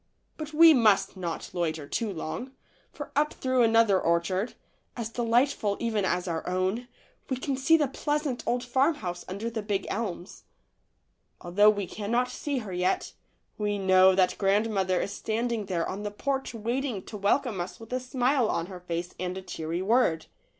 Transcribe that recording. But we must not loiter too long, for up through another orchard, as delightful even as our own, we can see the pleasant old farmhouse under the big elms. Although we cannot see her yet, we know that grandmother is standing there on the porch waiting to welcome us with a smile on her face and a cheery word.